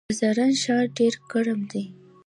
د زرنج ښار ډیر ګرم دی